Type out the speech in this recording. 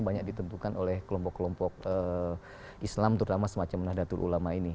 banyak ditentukan oleh kelompok kelompok islam terutama semacam nahdlatul ulama ini